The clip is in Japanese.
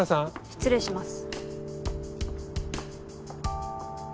失礼します。